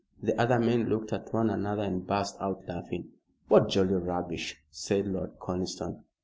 The other men looked at one another and burst out laughing. "What jolly rubbish!" said Lord Conniston.